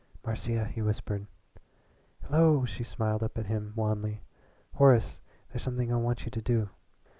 "Marcia," he whispered. "Hello!" She smiled up at him wanly. "Horace, there's something I want you to do.